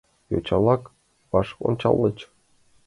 Йоча-влак ваш ончальыч.